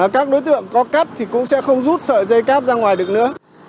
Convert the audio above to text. các đối tượng có cắt thì cũng sẽ không rút sợi dây cáp ra ngoài được nữa